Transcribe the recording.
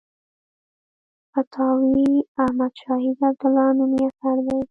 فتاوی احمدشاهي د عبدالله نومي اثر دی.